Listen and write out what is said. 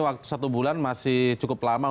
waktu satu bulan masih cukup lama